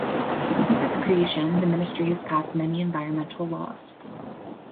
Since its creation the ministry has passed many environmental laws.